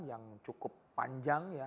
yang cukup panjang